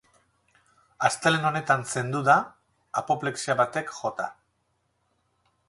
Astelehen honetan zendu da, apoplexia batek jota.